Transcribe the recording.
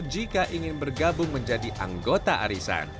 jika ingin bergabung menjadi anggota arisan